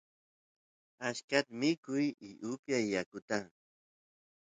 achkata mikush y upiyash yakuta